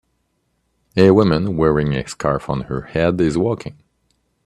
A woman wearing a scarf on her head is walking.